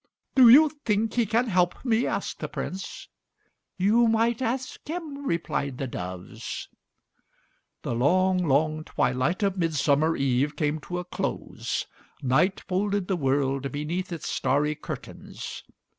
"Do you think he can help me?" asked the Prince. "You might ask him," replied the doves. The long, long twilight of Midsummer Eve came to a close; night folded the world beneath its starry curtains.